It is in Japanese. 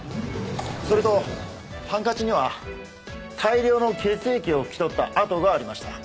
それとハンカチには大量の血液を拭き取った跡がありました。